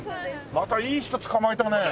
またいい人つかまえたね。